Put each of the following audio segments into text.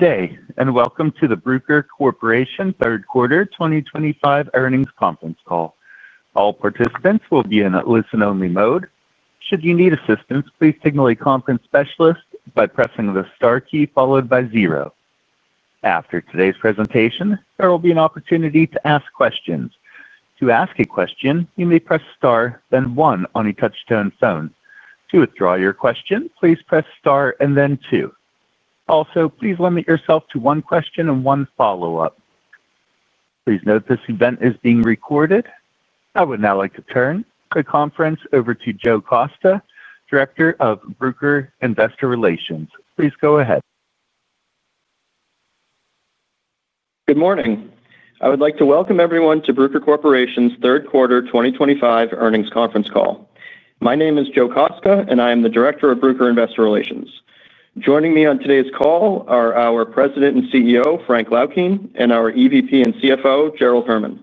Good day, and welcome to the Bruker Corporation third quarter 2025 earnings conference call. All participants will be in a listen-only mode. Should you need assistance, please signal a conference specialist by pressing the star key followed by zero. After today's presentation, there will be an opportunity to ask questions. To ask a question, you may press star, then one on a touch-tone phone. To withdraw your question, please press star and then two. Also, please limit yourself to one question and one follow-up. Please note this event is being recorded. I would now like to turn the conference over to Joe Kostka, Director of Bruker Investor Relations. Please go ahead. Good morning. I would like to welcome everyone to Bruker Corporation's third quarter 2025 earnings conference call. My name is Joe Kostka, and I am the Director of Bruker Investor Relations. Joining me on today's call are our President and CEO, Frank Laukien, and our EVP and CFO, Gerald Herman.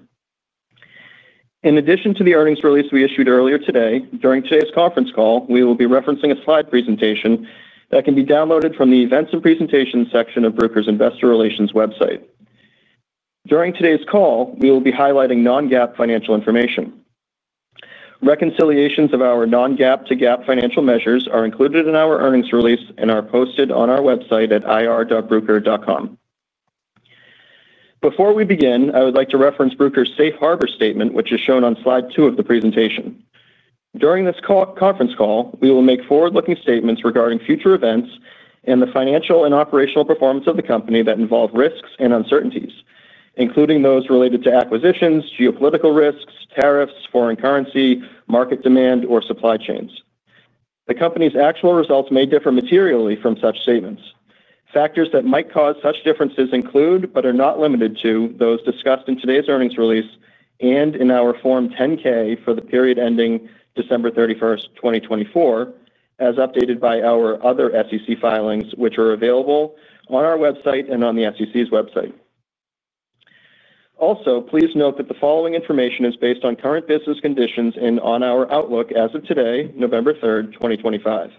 In addition to the earnings release we issued earlier today, during today's conference call, we will be referencing a slide presentation that can be downloaded from the Events and Presentations section of Bruker's Investor Relations website. During today's call, we will be highlighting non-GAAP financial information. Reconciliations of our non-GAAP to GAAP financial measures are included in our earnings release and are posted on our website at ir.bruker.com. Before we begin, I would like to reference Bruker's safe harbor statement, which is shown on slide two of the presentation. During this conference call, we will make forward-looking statements regarding future events and the financial and operational performance of the company that involve risks and uncertainties, including those related to acquisitions, geopolitical risks, tariffs, foreign currency, market demand, or supply chains. The company's actual results may differ materially from such statements. Factors that might cause such differences include, but are not limited to, those discussed in today's earnings release and in our Form 10-K for the period ending December 31st, 2024, as updated by our other SEC filings, which are available on our website and on the SEC's website. Also, please note that the following information is based on current business conditions and on our outlook as of today, November 3rd, 2025.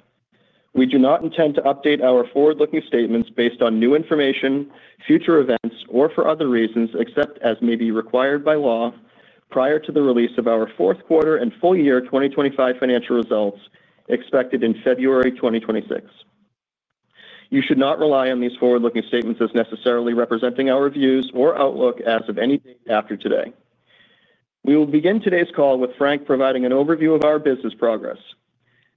We do not intend to update our forward-looking statements based on new information, future events, or for other reasons except as may be required by law prior to the release of our fourth quarter and full year 2025 financial results expected in February 2026. You should not rely on these forward-looking statements as necessarily representing our views or outlook as of any date after today. We will begin today's call with Frank providing an overview of our business progress.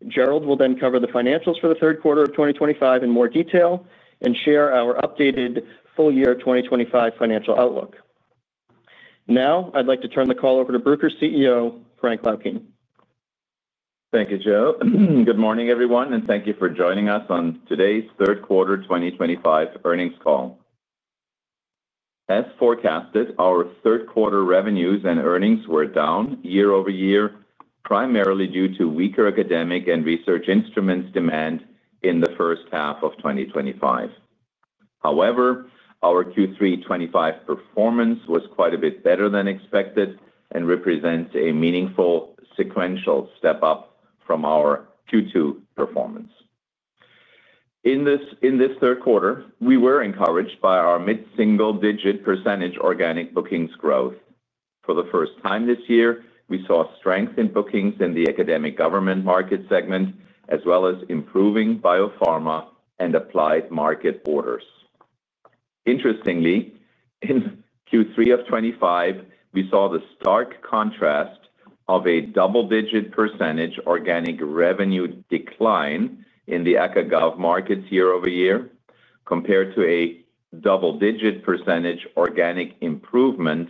Gerald will then cover the financials for the third quarter of 2025 in more detail and share our updated full year 2025 financial outlook. Now, I'd like to turn the call over to Bruker's CEO, Frank Laukien. Thank you, Joe. Good morning, everyone, and thank you for joining us on today's third quarter 2025 earnings call. As forecasted, our third quarter revenues and earnings were down year-over-year, primarily due to weaker academic and research instruments demand in the first half of 2025. However, our Q3 2025 performance was quite a bit better than expected and represents a meaningful sequential step up from our Q2 performance. In this third quarter, we were encouraged by our mid-single digit percentage organic bookings growth. For the first time this year, we saw strength in bookings in the academic government market segment, as well as improving biopharma and applied market orders. Interestingly, in Q3 of 2025, we saw the stark contrast of a double-digit percentage organic revenue decline in the ACA/GOV markets year-over-year compared to a double-digit percentage organic improvement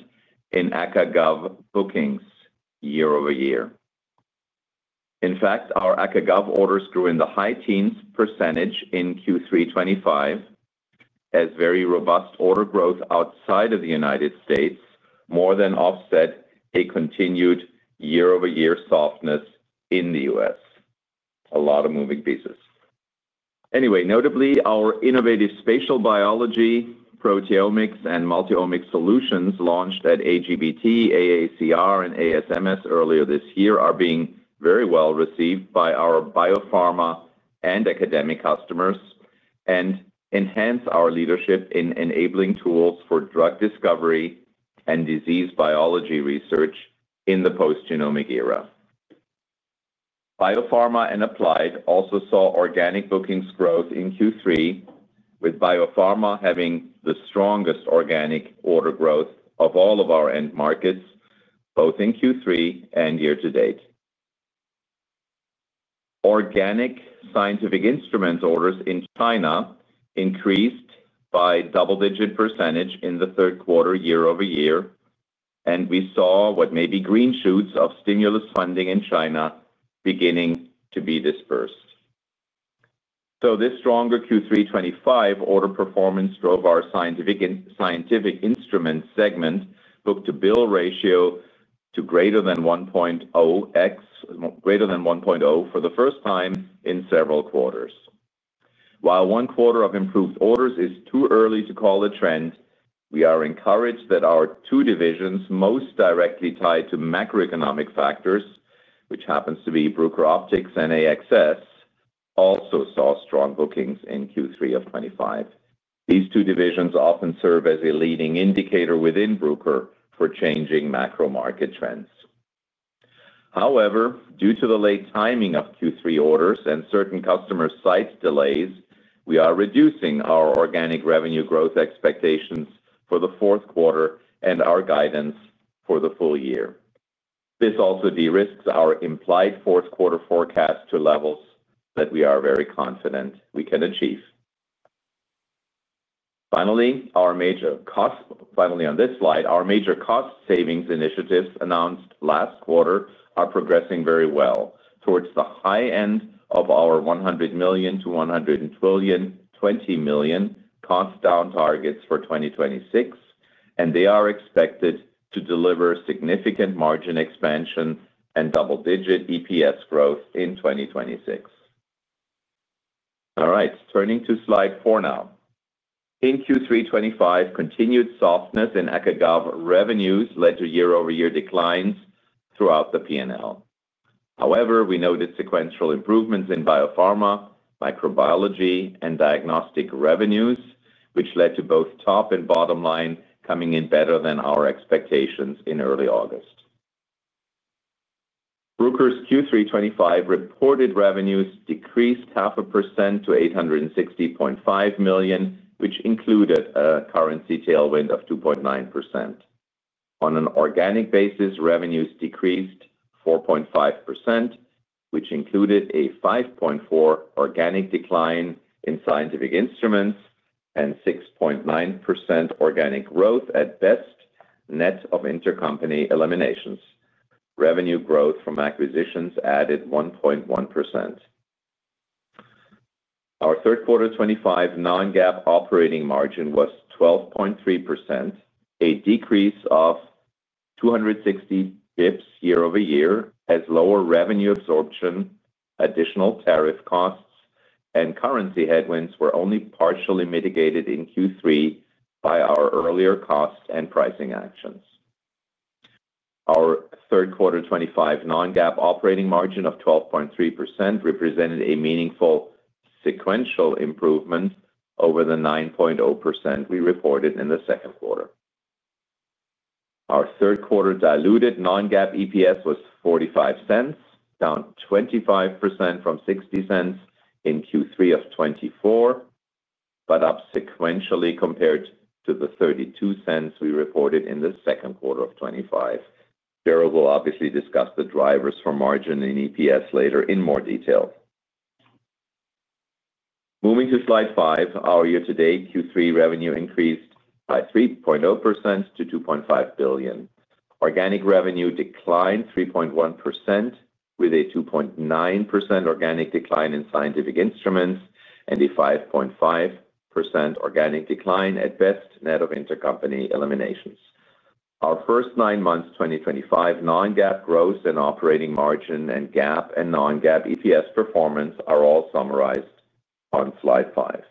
in ACA/GOV bookings year-over-year. In fact, our ACA/GOV orders grew in the high teens % in Q3 2025, as very robust order growth outside of the U.S. more than offset a continued year-over-year softness in the U.S. A lot of moving pieces. Anyway, notably, our innovative Spatial Biology, proteomics, and multi-omics solutions launched at AGBT, AACR, and ASMS earlier this year are being very well received by our biopharma and academic customers and enhance our leadership in enabling tools for drug discovery and disease biology research in the post-genomic era. Biopharma and applied also saw organic bookings growth in Q3, with biopharma having the strongest organic order growth of all of our end markets, both in Q3 and year to date. Organic scientific instruments orders in China increased by double-digit percentage in the third quarter year-over-year, and we saw what may be green shoots of stimulus funding in China beginning to be dispersed. This stronger Q3 2025 order performance drove our scientific instruments segment book-to-bill ratio to greater than 1.0x, greater than 1.0 for the first time in several quarters. While one quarter of improved orders is too early to call a trend, we are encouraged that our two divisions most directly tied to macroeconomic factors, which happens to be Bruker Optics and AXS, also saw strong bookings in Q3 of 2025. These two divisions often serve as a leading indicator within Bruker for changing macro market trends. However, due to the late timing of Q3 orders and certain customer site delays, we are reducing our organic revenue growth expectations for the fourth quarter and our guidance for the full year. This also de-risks our implied fourth quarter forecast to levels that we are very confident we can achieve. Finally, on this slide, our major cost savings initiatives announced last quarter are progressing very well towards the high end of our $100 million-$120 million cost down targets for 2026, and they are expected to deliver significant margin expansion and double-digit EPS growth in 2026. All right, turning to slide four now. In Q3 2025, continued softness in ACA/GOV revenues led to year-over-year declines throughout the P&L. However, we noted sequential improvements in biopharma, microbiology, and diagnostic revenues, which led to both top and bottom line coming in better than our expectations in early August. Bruker's Q3 2025 reported revenues decreased 0.5% to $860.5 million, which included a currency tailwind of 2.9%. On an organic basis, revenues decreased 4.5%, which included a 5.4% organic decline in scientific instruments and 6.9% organic growth at BEST net of intercompany eliminations. Revenue growth from acquisitions added 1.1%. Our third quarter 2025 non-GAAP operating margin was 12.3%, a decrease of 260 bps year-over-year as lower revenue absorption, additional tariff costs, and currency headwinds were only partially mitigated in Q3 by our earlier cost and pricing actions. Our third quarter 2025 non-GAAP operating margin of 12.3% represented a meaningful sequential improvement over the 9.0% we reported in the second quarter. Our third quarter diluted non-GAAP EPS was $0.45, down 25% from $0.60 in Q3 of 2024, but up sequentially compared to the $0.32 we reported in the second quarter of 2025. Gerald will obviously discuss the drivers for margin and EPS later in more detail. Moving to slide five, our year-to-date Q3 revenue increased by 3.0% to $2.5 billion. Organic revenue declined 3.1% with a 2.9% organic decline in scientific instruments and a 5.5% organic decline at BEST net of intercompany eliminations. Our first nine months' 2025 non-GAAP growth and operating margin and GAAP and non-GAAP EPS performance are all summarized on slide five.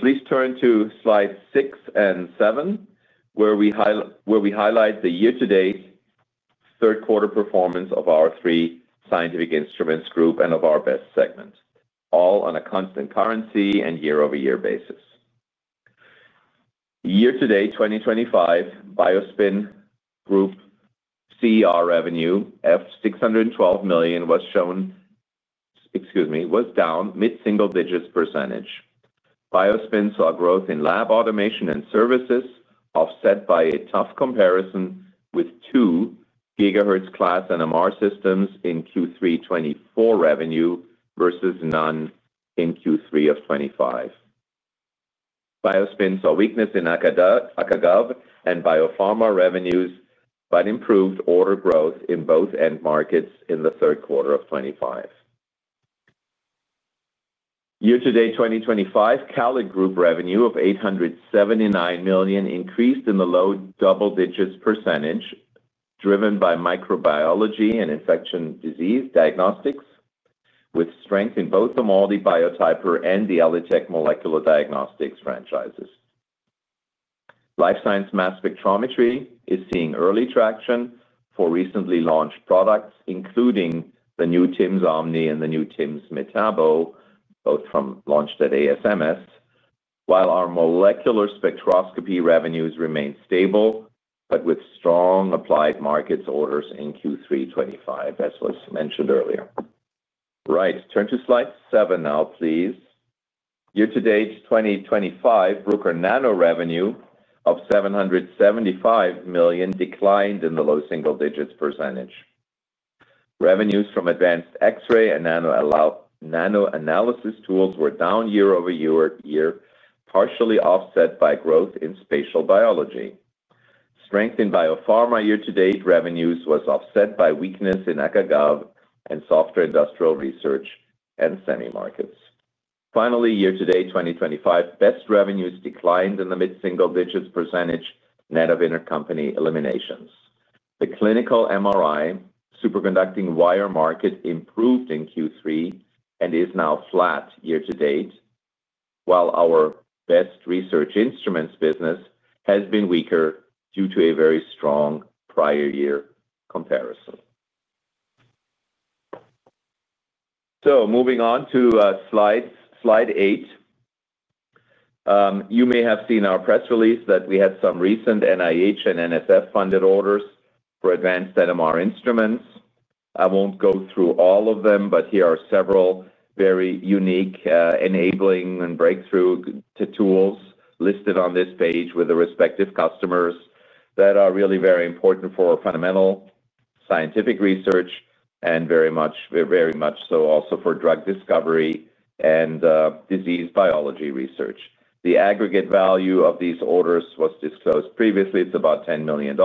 Please turn to slides six and seven, where we highlight the year-to-date third quarter performance of our three scientific instruments group and of our BEST segment, all on a constant currency and year-over-year basis. Year-to-date 2025 BIOSPIN Group CER revenue of $612 million was down mid-single digit percentage. BIOSPIN saw growth in lab automation and services offset by a tough comparison with two gigahertz-class NMR systems in Q3 2024 revenue versus none in Q3 of 2025. BIOSPIN saw weakness in ACA/GOV and biopharma revenues but improved order growth in both end markets in the third quarter of 2025. Year-to-date 2025 CALID Group revenue of $879 million increased in the low double-digit percentage driven by microbiology and infectious disease diagnostics, with strength in both the MALDI Biotyper and the ELITech molecular diagnostics franchises. Life science mass spectrometry is seeing early traction for recently launched products, including the new timsOmni and the new timsMetabo, both launched at ASMS, while our molecular spectroscopy revenues remain stable but with strong applied markets orders in Q3 2025, as was mentioned earlier. Turn to slide seven now, please. Year-to-date 2025 Bruker NANO revenue of $775 million declined in the low single digit percentage. Revenues from advanced X-ray and NanoAnalysis tools were down year-over-year, partially offset by growth in Spatial Biology. Strength in biopharma year-to-date revenues was offset by weakness in ACA/GOV and software industrial research and semi markets. Finally, year-to-date 2025 BEST revenues declined in the mid-single digit percentage net of intercompany eliminations. The clinical MRI superconducting wire market improved in Q3 and is now flat year-to-date, while our BEST research instruments business has been weaker due to a very strong prior year comparison. Moving on to slide eight. You may have seen our press release that we had some recent NIH and NSF-funded orders for advanced NMR instruments. I won't go through all of them, but here are several very unique enabling and breakthrough tools listed on this page with the respective customers that are really very important for fundamental scientific research and very much, very much so also for drug discovery and disease biology research. The aggregate value of these orders was disclosed previously. It's about $10 million.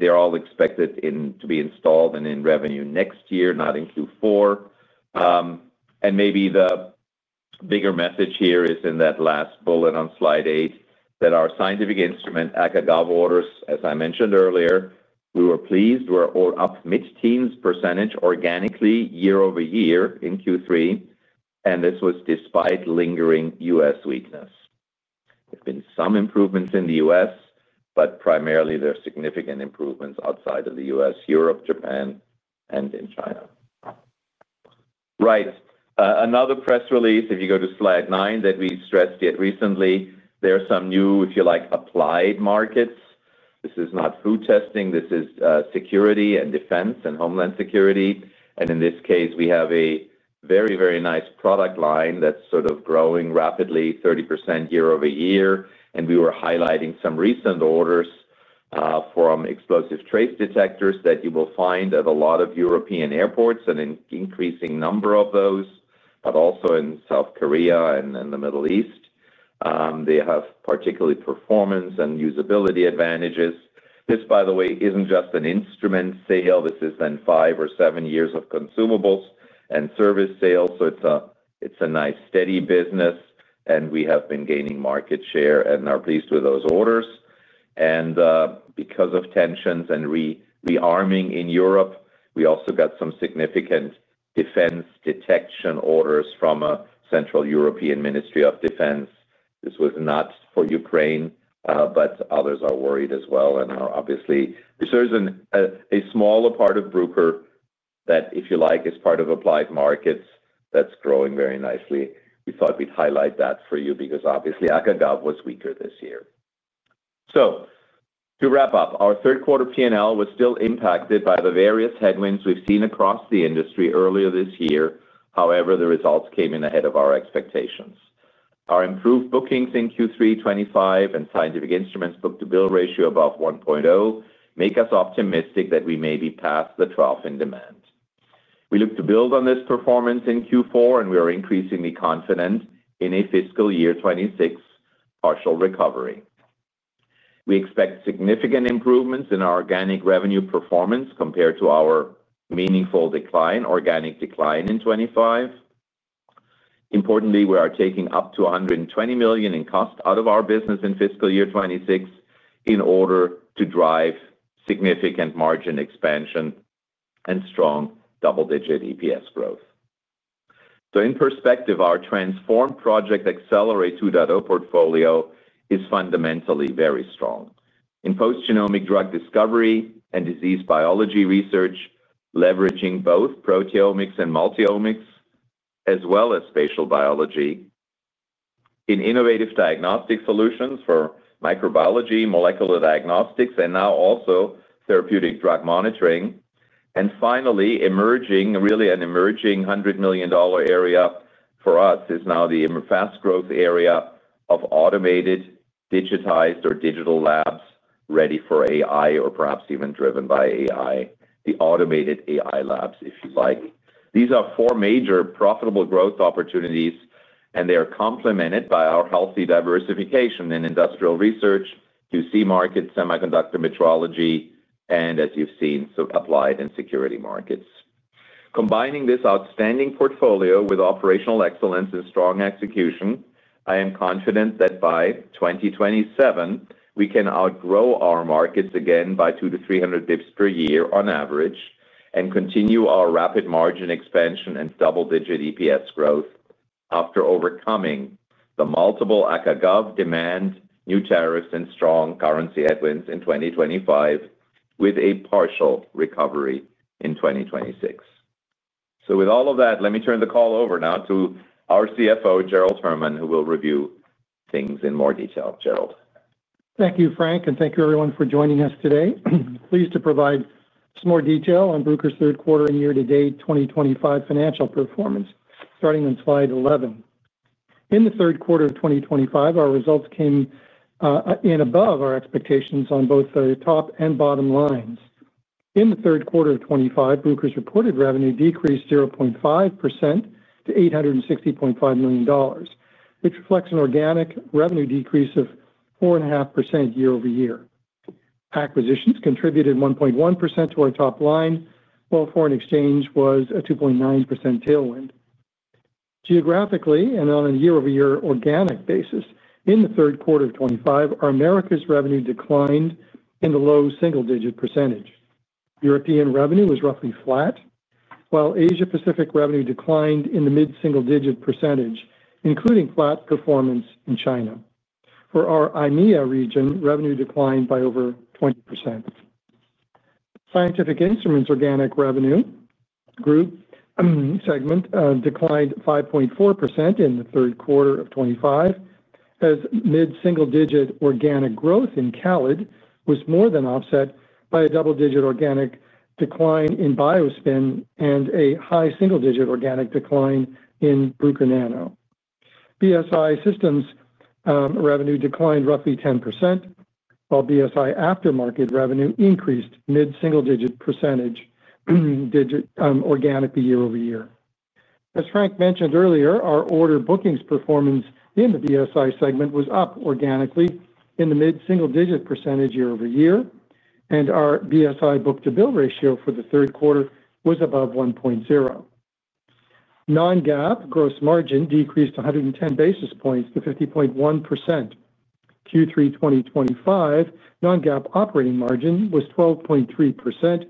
They're all expected to be installed and in revenue next year, not in Q4. Maybe the bigger message here is in that last bullet on slide eight that our scientific instrument ACA/GOV orders, as I mentioned earlier, we were pleased were up mid-teens percentage organically year-over-year in Q3, and this was despite lingering U.S. weakness. There have been some improvements in the U.S., but primarily there are significant improvements outside of the U.S., Europe, Japan, and in China. Another press release, if you go to slide nine, that we stressed yet recently, there are some new, if you like, applied markets. This is not food testing. This is security and defense and homeland security. In this case, we have a very, very nice product line that's sort of growing rapidly, 30% year-over-year. We were highlighting some recent orders from explosive trace detectors that you will find at a lot of European airports and an increasing number of those, but also in South Korea and the Middle East. They have particularly performance and usability advantages. This, by the way, isn't just an instrument sale. This is then five or seven years of consumables and service sales. It's a nice steady business, and we have been gaining market share and are pleased with those orders. Because of tensions and rearming in Europe, we also got some significant defense detection orders from a Central European Ministry of Defense. This was not for Ukraine, but others are worried as well and are obviously—there's a smaller part of Bruker that, if you like, is part of applied markets that's growing very nicely. We thought we'd highlight that for you because obviously ACA/GOV was weaker this year. To wrap up, our third quarter P&L was still impacted by the various headwinds we've seen across the industry earlier this year. However, the results came in ahead of our expectations. Our improved bookings in Q3 2025 and scientific instruments book-to-bill ratio above 1.0 make us optimistic that we may be past the trough in demand. We look to build on this performance in Q4, and we are increasingly confident in a fiscal year 2026 partial recovery. We expect significant improvements in our organic revenue performance compared to our meaningful organic decline in 2025. Importantly, we are taking up to $120 million in cost out of our business in fiscal year 2026 in order to drive significant margin expansion and strong double-digit EPS growth. In perspective, our transformed project Accelerate 2.0 portfolio is fundamentally very strong in post-genomic drug discovery and disease biology research, leveraging both proteomics and multiomics, as well as Spatial Biology. In innovative diagnostic solutions for microbiology, molecular diagnostics, and now also therapeutic drug monitoring. Finally, really an emerging $100 million area for us is now the fast growth area of automated, digitized, or digital labs ready for AI, or perhaps even driven by AI, the automated AI labs, if you like. These are four major profitable growth opportunities, and they are complemented by our healthy diversification in industrial research, QC markets, semiconductor metrology, and as you've seen, applied and security markets. Combining this outstanding portfolio with operational excellence and strong execution, I am confident that by 2027, we can outgrow our markets again by 200-300 bps per year on average and continue our rapid margin expansion and double-digit EPS growth after overcoming the multiple ACA/GOV demand, new tariffs, and strong currency headwinds in 2025 with a partial recovery in 2026. With all of that, let me turn the call over now to our CFO, Gerald Herman, who will review things in more detail. Gerald. Thank you, Frank, and thank you, everyone, for joining us today. Pleased to provide some more detail on Bruker's third quarter and year-to-date 2025 financial performance, starting on slide 11. In the third quarter of 2025, our results came in above our expectations on both the top and bottom lines. In the third quarter of 2025, Bruker's reported revenue decreased 0.5% to $860.5 million, which reflects an organic revenue decrease of 4.5% year-over-year. Acquisitions contributed 1.1% to our top line, while foreign exchange was a 2.9% tailwind. Geographically and on a year-over-year organic basis, in the third quarter of 2025, our Americas revenue declined in the low single-digit percentage. European revenue was roughly flat, while Asia-Pacific revenue declined in the mid-single digit percentage, including flat performance in China. For our IMEA region, revenue declined by over 20%. Scientific instruments organic revenue segment declined 5.4% in the third quarter of 2025. As mid-single digit organic growth in CALID was more than offset by a double-digit organic decline in BIOSPIN and a high single-digit organic decline in Bruker NANO. BSI Systems' revenue declined roughly 10%, while BSI aftermarket revenue increased mid-single digit percentage organic year-over-year. As Frank mentioned earlier, our order bookings performance in the BSI segment was up organically in the mid-single digit percentage year-over-year, and our BSI book-to-bill ratio for the third quarter was above 1.0. Non-GAAP gross margin decreased 110 basis points to 50.1%. Q3 2025, non-GAAP operating margin was 12.3%.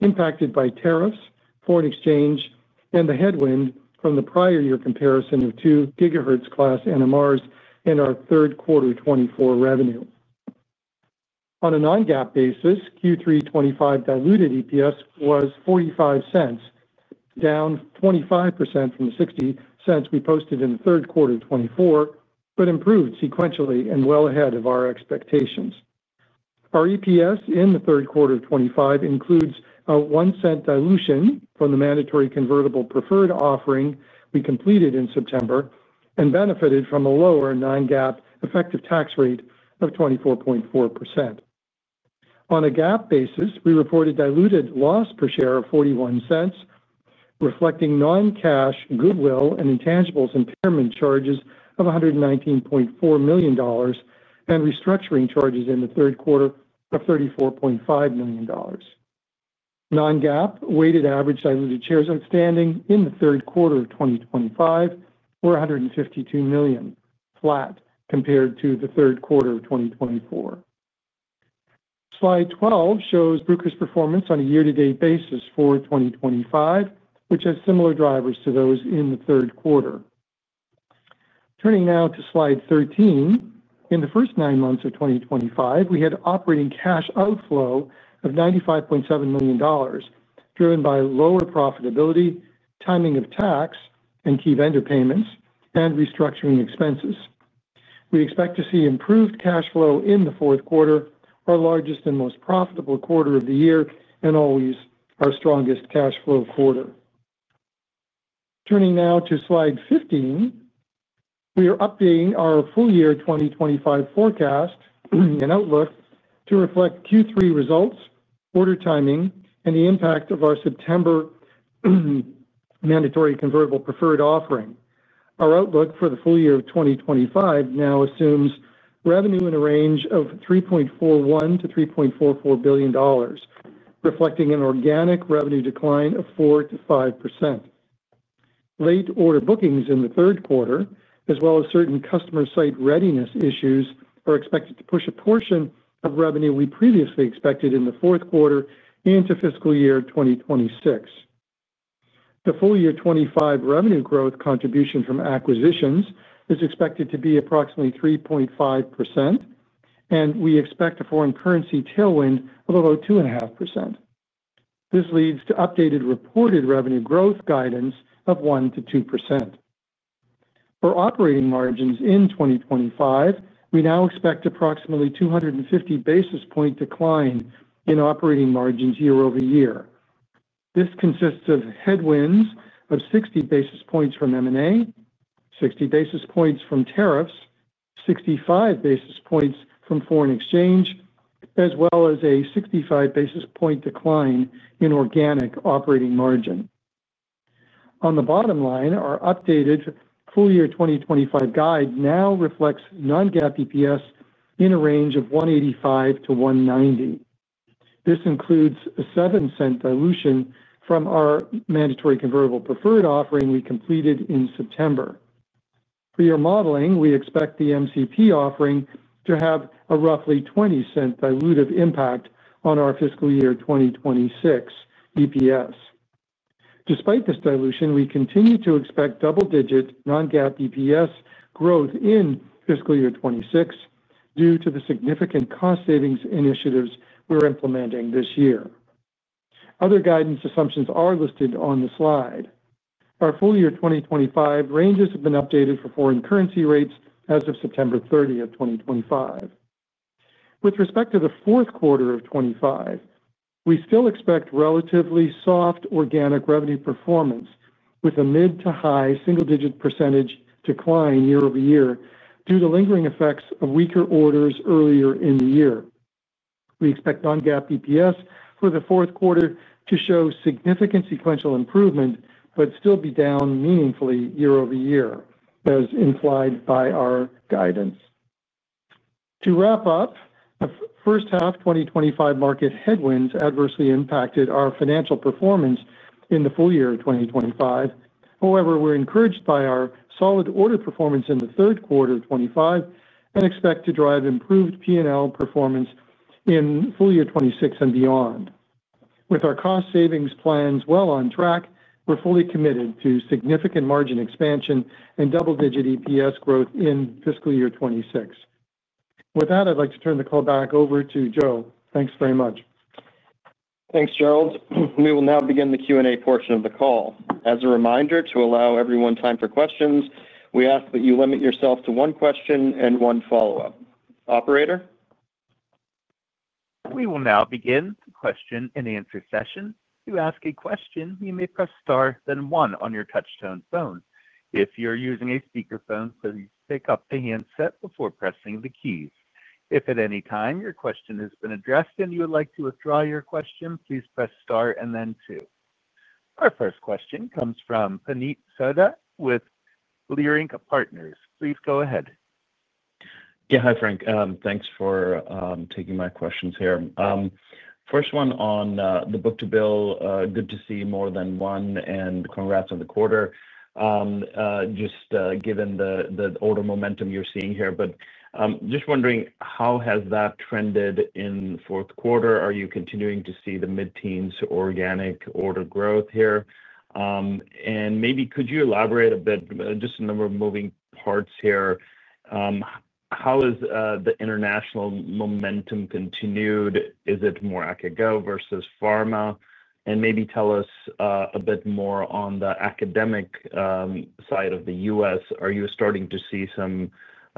Impacted by tariffs, foreign exchange, and the headwind from the prior year comparison of two gigahertz-class NMRs in our third quarter 2024 revenue. On a non-GAAP basis, Q3 2025 diluted EPS was $0.45, down 25% from the $0.60 we posted in the third quarter 2024, but improved sequentially and well ahead of our expectations. Our EPS in the third quarter of 2025 includes a $0.01 dilution from the mandatory convertible preferred offering we completed in September and benefited from a lower non-GAAP effective tax rate of 24.4%. On a GAAP basis, we reported diluted loss per share of $0.41, reflecting non-cash goodwill and intangibles impairment charges of $119.4 million. And restructuring charges in the third quarter of $34.5 million. Non-GAAP weighted average diluted shares outstanding in the third quarter of 2025 were 152 million, flat compared to the third quarter of 2024. Slide 12 shows Bruker's performance on a year-to-date basis for 2025, which has similar drivers to those in the third quarter. Turning now to slide 13, in the first nine months of 2025, we had operating cash outflow of $95.7 million. Driven by lower profitability, timing of tax, and key vendor payments, and restructuring expenses. We expect to see improved cash flow in the fourth quarter, our largest and most profitable quarter of the year, and always our strongest cash flow quarter. Turning now to slide 15. We are updating our full year 2025 forecast and outlook to reflect Q3 results, order timing, and the impact of our September mandatory convertible preferred offering. Our outlook for the full year of 2025 now assumes revenue in a range of $3.41 billion-$3.44 billion. Reflecting an organic revenue decline of 4%-5%. Late order bookings in the third quarter, as well as certain customer site readiness issues, are expected to push a portion of revenue we previously expected in the fourth quarter into fiscal year 2026. The full year 2025 revenue growth contribution from acquisitions is expected to be approximately 3.5%. And we expect a foreign currency tailwind of about 2.5%. This leads to updated reported revenue growth guidance of 1%-2%. For operating margins in 2025, we now expect approximately 250 basis point decline in operating margins year-over-year. This consists of headwinds of 60 basis points from M&A, 60 basis points from tariffs, 65 basis points from foreign exchange, as well as a 65 basis point decline in organic operating margin. On the bottom line, our updated full year 2025 guide now reflects non-GAAP EPS in a range of $1.85-$1.90. This includes a $0.07 dilution from our mandatory convertible preferred offering we completed in September. For your modeling, we expect the MCP offering to have a roughly $0.20 dilutive impact on our fiscal year 2026 EPS. Despite this dilution, we continue to expect double-digit non-GAAP EPS growth in fiscal year 2026 due to the significant cost savings initiatives we're implementing this year. Other guidance assumptions are listed on the slide. Our full year 2025 ranges have been updated for foreign currency rates as of September 30th, 2025. With respect to the fourth quarter of 2025, we still expect relatively soft organic revenue performance with a mid to high single-digit percentage decline year-over-year due to lingering effects of weaker orders earlier in the year. We expect non-GAAP EPS for the fourth quarter to show significant sequential improvement, but still be down meaningfully year-over-year, as implied by our guidance. To wrap up, the first half 2025 market headwinds adversely impacted our financial performance in the full year 2025. However, we're encouraged by our solid order performance in the third quarter of 2025 and expect to drive improved P&L performance in full year 2026 and beyond. With our cost savings plans well on track, we're fully committed to significant margin expansion and double-digit EPS growth in fiscal year 2026. With that, I'd like to turn the call back over to Joe. Thanks very much. Thanks, Gerald. We will now begin the Q&A portion of the call. As a reminder, to allow everyone time for questions, we ask that you limit yourself to one question and one follow-up. Operator. We will now begin the question and answer session. To ask a question, you may press star then one on your touchstone phone. If you're using a speakerphone, please pick up the handset before pressing the keys. If at any time your question has been addressed and you would like to withdraw your question, please press star and then two. Our first question comes from Puneet Souda with Leerink Partners. Please go ahead. Yeah, hi, Frank. Thanks for taking my questions here. First one on the book-to-bill, good to see more than one and congrats on the quarter. Just given the order momentum you're seeing here, but just wondering, how has that trended in the fourth quarter? Are you continuing to see the mid-teens organic order growth here? And maybe could you elaborate a bit, just a number of moving parts here. How has the international momentum continued? Is it more active versus pharma? And maybe tell us a bit more on the academic side of the U.S. Are you starting to see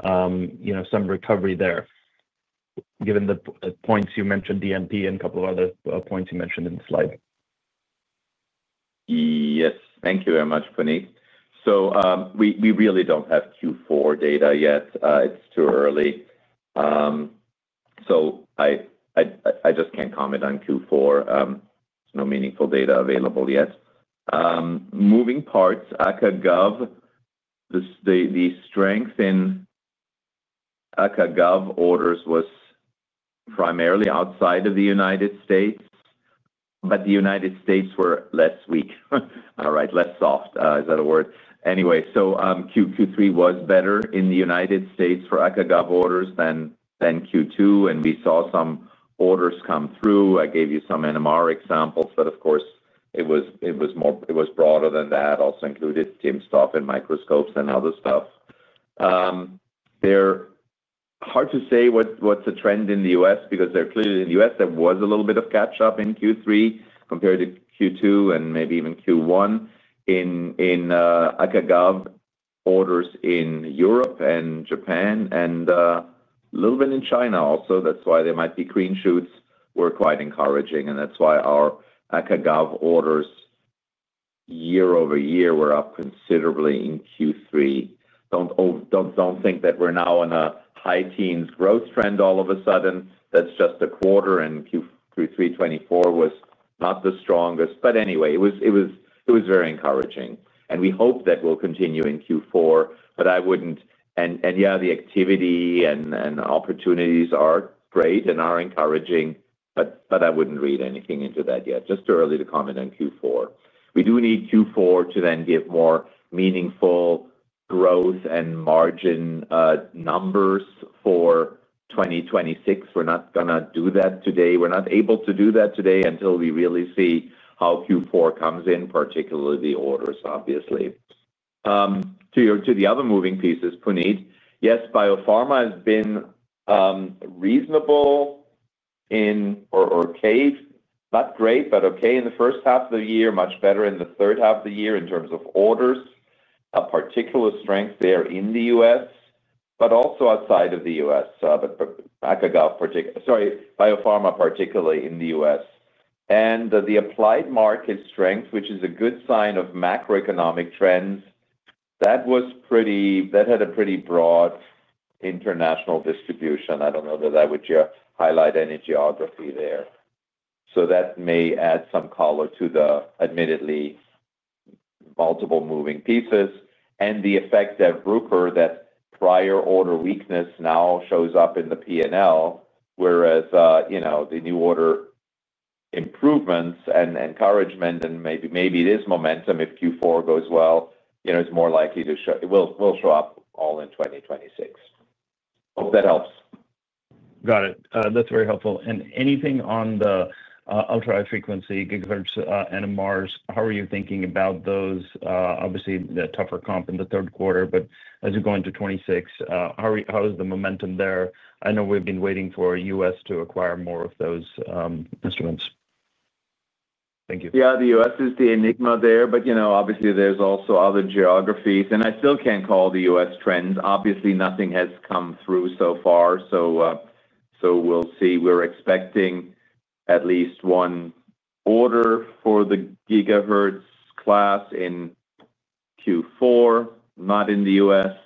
some recovery there? Given the points you mentioned, DMP and a couple of other points you mentioned in the slide. Yes. Thank you very much, Puneet. So we really don't have Q4 data yet. It's too early. I just can't comment on Q4. There's no meaningful data available yet. Moving parts, ACA/GOV. The strength in ACA/GOV orders was primarily outside of the United States, but the United States were less weak. All right, less soft. Is that a word? Anyway, Q3 was better in the United States for ACA/GOV orders than Q2, and we saw some orders come through. I gave you some NMR examples, but of course, it was broader than that. Also included TIMS stuff and microscopes and other stuff. Hard to say what's the trend in the U.S. because clearly in the U.S. there was a little bit of catch-up in Q3 compared to Q2 and maybe even Q1. In ACA/GOV orders in Europe and Japan, and a little bit in China also. That is why there might be green shoots, were quite encouraging, and that is why our ACA/GOV orders year-over-year were up considerably in Q3. Do not think that we are now in a high teens growth trend all of a sudden. That is just a quarter, and Q3 2024 was not the strongest. It was very encouraging. We hope that will continue in Q4, but I would not. The activity and opportunities are great and are encouraging, but I would not read anything into that yet. Just too early to comment on Q4. We do need Q4 to then give more meaningful growth and margin numbers for 2026. We are not going to do that today. We are not able to do that today until we really see how Q4 comes in, particularly the orders, obviously. To the other moving pieces, Puneet, yes, biopharma has been reasonable or okay, not great, but okay in the first half of the year, much better in the third quarter of the year in terms of orders. A particular strength there in the U.S., but also outside of the U.S. ACA/GOV, sorry, biopharma particularly in the U.S. And the applied market strength, which is a good sign of macroeconomic trends, that had a pretty broad international distribution. I do not know that I would highlight any geography there. That may add some color to the admittedly multiple moving pieces. The effect that Bruker, that prior order weakness now shows up in the P&L, whereas the new order improvements and encouragement, and maybe it is momentum if Q4 goes well, it is more likely to show it will show up all in 2026. Hope that helps. Got it. That is very helpful. Anything on the ultra high frequency gigahertz NMRs, how are you thinking about those? Obviously, the tougher comp in the third quarter, but as you go into 2026, how is the momentum there? I know we have been waiting for the U.S. to acquire more of those instruments. Thank you. Yeah, the U.S. is the enigma there, but obviously, there are also other geographies. I still cannot call the U.S. trends. Obviously, nothing has come through so far. We will see. We are expecting at least one order for the gigahertz-class in Q4, not in the U.S.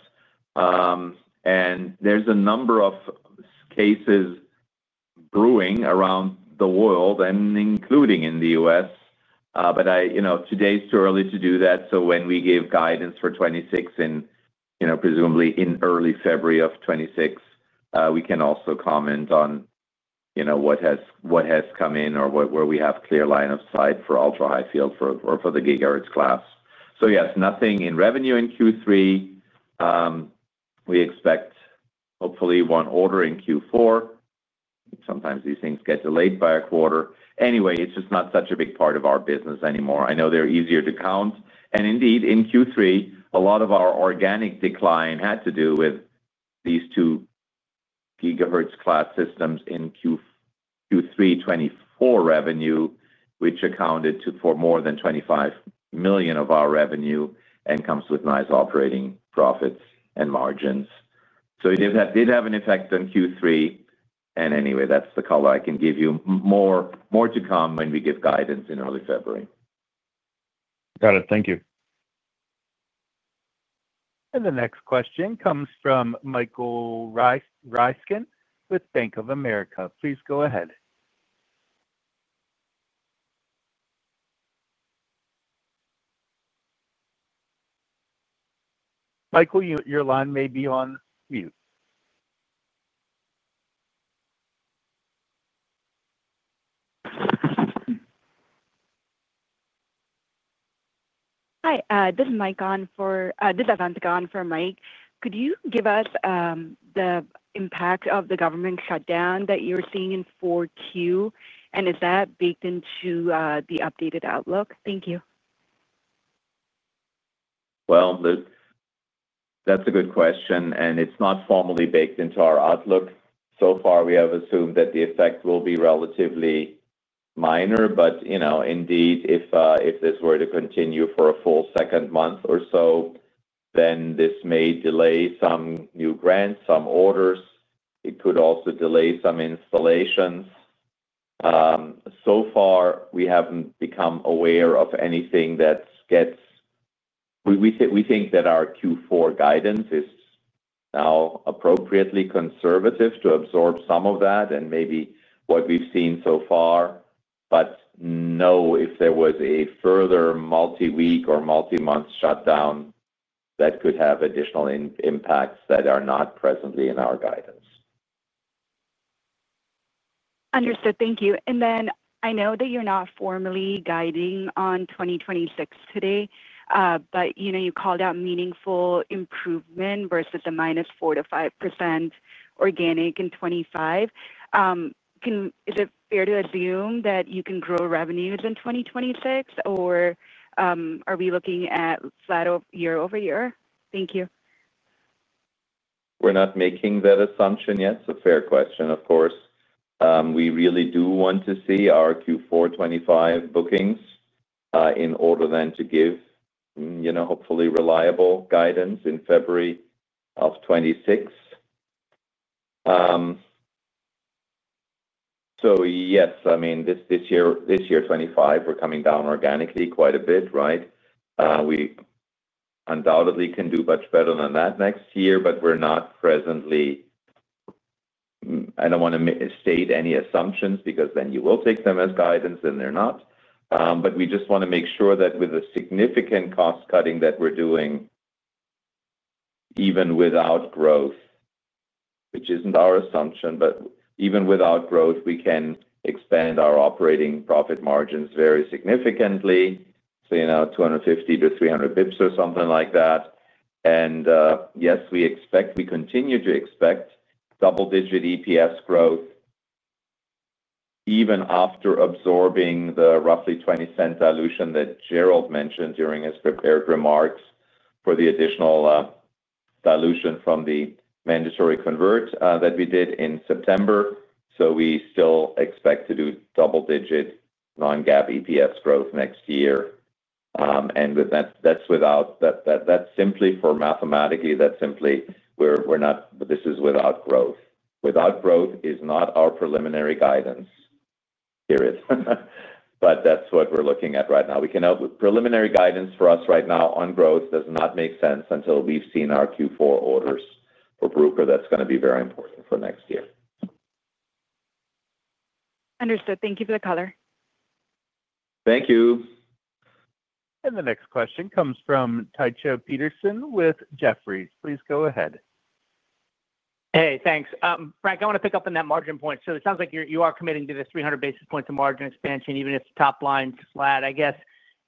There are a number of cases brewing around the world, including in the U.S. but today is too early to do that. So when we give guidance for 2026, and presumably in early February of 2026, we can also comment on what has come in or where we have clear line of sight for ultra high field or for the gigahertz class. Yes, nothing in revenue in Q3. We expect hopefully one order in Q4. Sometimes these things get delayed by a quarter. Anyway, it is just not such a big part of our business anymore. I know they are easier to count. Indeed, in Q3, a lot of our organic decline had to do with these two gigahertz class systems in Q3 2024 revenue, which accounted for more than $25 million of our revenue and comes with nice operating profits and margins. It did have an effect on Q3. That is the color I can give you. More to come when we give guidance in early February. Got it. Thank you. The next question comes from Michael Ryskin with Bank of America. Please go ahead. Michael, your line may be on mute. Hi, this is Mike on for this Avantika on for Mike. Could you give us the impact of the government shutdown that you were seeing in Q4, and is that baked into the updated outlook? Thank you. That is a good question, and it is not formally baked into our outlook. So far, we have assumed that the effect will be relatively minor, but indeed, if this were to continue for a full second month or so, then this may delay some new grants, some orders. It could also delay some installations. So far, we have not become aware of anything that gets. We think that our Q4 guidance is now appropriately conservative to absorb some of that and maybe what we have seen so far, but if there was a further multi-week or multi-month shutdown that could have additional impacts that are not presently in our guidance. Understood. Thank you. I know that you are not formally guiding on 2026 today, but you called out meaningful improvement versus the -4-5% organic in 2025. Is it fair to assume that you can grow revenues in 2026, or are we looking at flat year-over-year? Thank you. We are not making that assumption yet. It is a fair question, of course. We really do want to see our Q4 2025 bookings in order then to give hopefully reliable guidance in February of 2026. Yes, I mean, this year 2025, we are coming down organically quite a bit, right? We undoubtedly can do much better than that next year, but we are not presently. I do not want to state any assumptions because then you will take them as guidance and they are not. We just want to make sure that with the significant cost cutting that we are doing, even without growth, which is not our assumption, but even without growth, we can expand our operating profit margins very significantly, say 250-300 bps or something like that. Yes, we expect, we continue to expect double-digit EPS growth. Even after absorbing the roughly $0.20 dilution that Gerald mentioned during his prepared remarks for the additional dilution from the mandatory convert that we did in September. We still expect to do double-digit non-GAAP EPS growth next year. That is without that simply for mathematically, that is simply, we are not, this is without growth. Without growth is not our preliminary guidance. Period. That is what we are looking at right now. Preliminary guidance for us right now on growth does not make sense until we have seen our Q4 orders for Bruker. That is going to be very important for next year. Understood. Thank you for the color. Thank you. The next question comes from Tycho Peterson with Jefferies. Please go ahead. Hey, thanks. Frank, I want to pick up on that margin point. It sounds like you are committing to this 300 basis points of margin expansion, even if the top line is flat, I guess.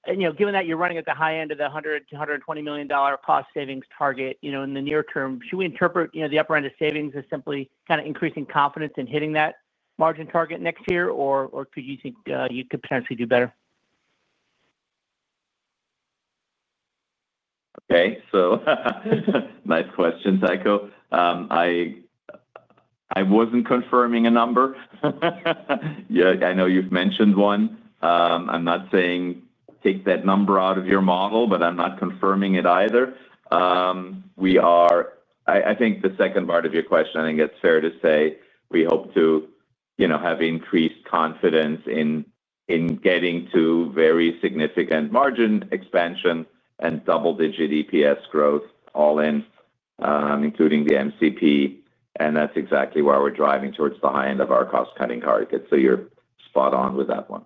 Given that you are running at the high end of the $100 million-$120 million cost savings target in the near term, should we interpret the upper end of savings as simply kind of increasing confidence in hitting that margin target next year, or do you think you could potentially do better? Okay. Nice question, Tycho. I was not confirming a number. I know you have mentioned one. I am not saying take that number out of your model, but I am not confirming it either. I think the second part of your question, I think it is fair to say we hope to have increased confidence in getting to very significant margin expansion and double-digit EPS growth all in, including the MCP. That is exactly why we are driving towards the high end of our cost-cutting target. You are spot on with that one.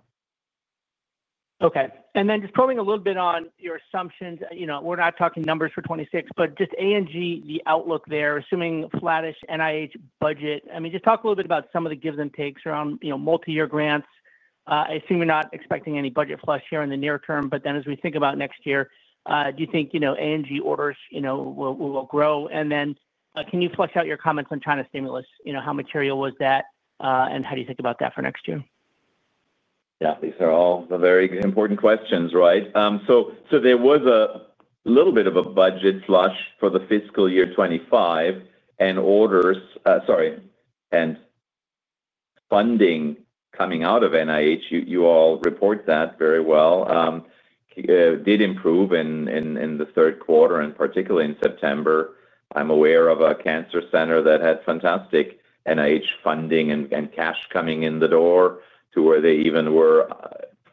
Okay. Then just probing a little bit on your assumptions. We are not talking numbers for 2026, but just A&G, the outlook there, assuming flat-ish NIH budget. I mean, just talk a little bit about some of the give and takes around multi-year grants. I assume you are not expecting any budget flush here in the near term, but then as we think about next year, do you think A&G orders will grow? Can you flesh out your comments on China stimulus? How material was that, and how do you think about that for next year? These are all very important questions, right? There was a little bit of a budget flush for the fiscal year 2025 and orders, sorry, and funding coming out of NIH. You all report that very well. It did improve in the third quarter, and particularly in September. I am aware of a cancer center that had fantastic NIH funding and cash coming in the door to where they even were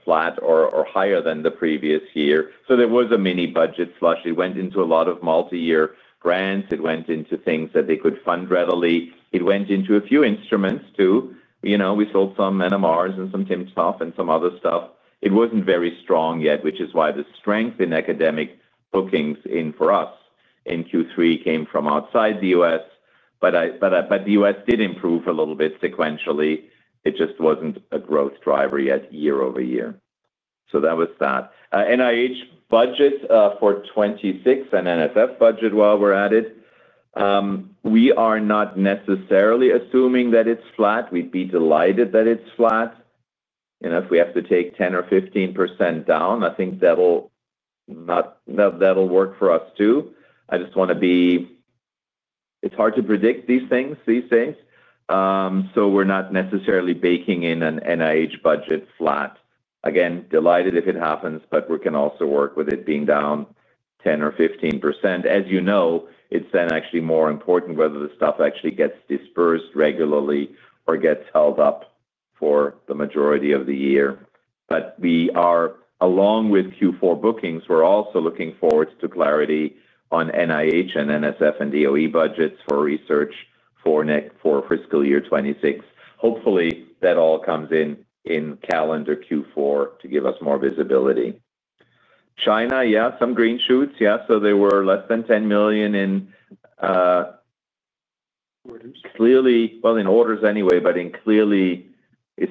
flat or higher than the previous year. There was a mini budget flush. It went into a lot of multi-year grants. It went into things that they could fund readily. It went into a few instruments too. We sold some NMRs and some TIMS stuff and some other stuff. It was not very strong yet, which is why the strength in academic bookings for us in Q3 came from outside the U.S. The U.S. did improve a little bit sequentially. It just was not a growth driver yet year-over-year. That was that. NIH budget for 2026 and NSF budget while we are at it. We are not necessarily assuming that it is flat. We would be delighted that it is flat. If we have to take 10% or 15% down, I think that will work for us too. I just want to be—it is hard to predict these things. We are not necessarily baking in an NIH budget flat. Again, delighted if it happens, but we can also work with it being down 10% or 15%. As you know, it is then actually more important whether the stuff actually gets disbursed regularly or gets held up for the majority of the year. We are, along with Q4 bookings, also looking forward to clarity on NIH and NSF and DOE budgets for research for fiscal year 2026. Hopefully, that all comes in calendar Q4 to give us more visibility. China, yeah, some green shoots, yeah. There were less than $10 million in orders. Clearly, well, in orders anyway, but in clearly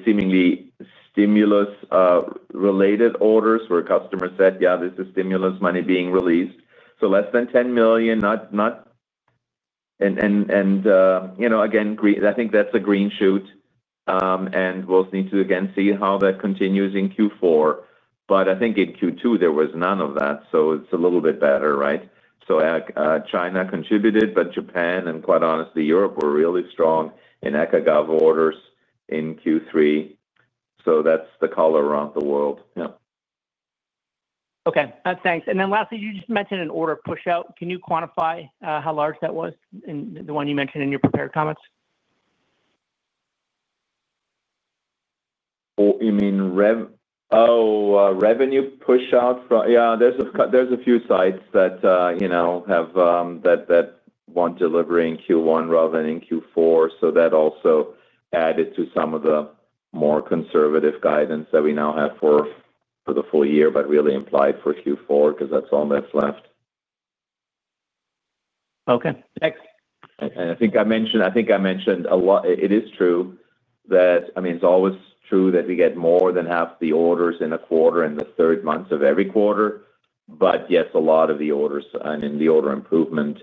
seemingly stimulus-related orders where customers said, "Yeah, this is stimulus money being released." Less than $10 million, not—and again, I think that is a green shoot. We will need to again see how that continues in Q4. I think in Q2, there was none of that. It is a little bit better, right? China contributed, but Japan, and quite honestly, Europe were really strong in ACA/GOV orders in Q3. That is the color around the world. Okay. Thanks. Lastly, you just mentioned an order push-out. Can you quantify how large that was in the one you mentioned in your prepared comments? You mean—oh, revenue push-out? Yeah, there are a few sites that want delivery in Q1 rather than in Q4. That also added to some of the more conservative guidance that we now have for the full year, but really implied for Q4 because that is all that is left. Okay. Thanks. I think I mentioned a lot. It is true that, I mean, it is always true that we get more than half the orders in a quarter in the third month of every quarter. Yes, a lot of the orders and the order improvement